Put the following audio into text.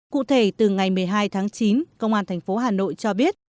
cụ thể từ ngày một mươi hai tháng chín công an thành phố hà nội cho biết